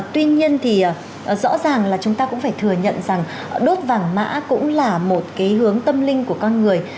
tuy nhiên thì rõ ràng là chúng ta cũng phải thừa nhận rằng đốt vàng mã cũng là một cái hướng tâm linh của con người